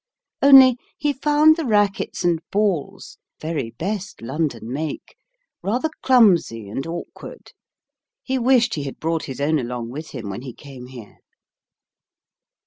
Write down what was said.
Only, he found the racquets and balls (very best London make) rather clumsy and awkward; he wished he had brought his own along with him when he came here.